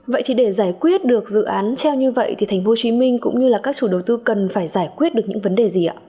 vậy thì để giải quyết được dự án treo như vậy thì tp hcm cũng như là các chủ đầu tư cần phải giải quyết được những vấn đề gì ạ